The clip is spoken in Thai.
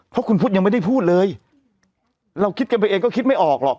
เพราะคุณพุทธยังไม่ได้พูดเลยเราคิดกันไปเองก็คิดไม่ออกหรอก